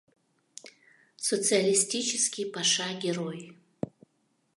Социалистический Паша Герой.